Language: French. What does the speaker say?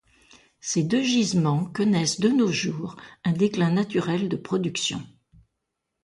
Ces deux gisements connaissent de nos jours un déclin naturel de production.